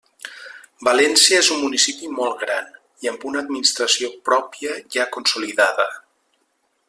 València és un municipi molt gran i amb una administració pròpia ja consolidada.